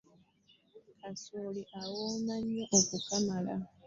Kasooli awooma nnyo okukamala.